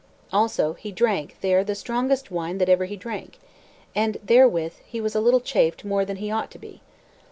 Also he drank there the strongest wine that ever he drank, and therewith he was a little chafed more than he ought to be.